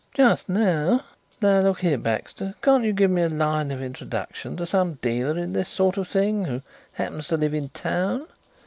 Just now look here, Baxter, can't you give me a line of introduction to some dealer in this sort of thing who happens to live in town?